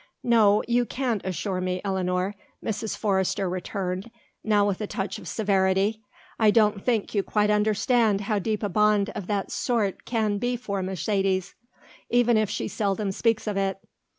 "No; you can't assure me, Eleanor," Mrs. Forrester returned, now with a touch of severity. "I don't think you quite understand how deep a bond of that sort can be for Mercedes even if she seldom speaks of it.